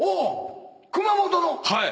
はい。